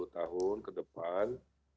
tiga puluh tahun ke depan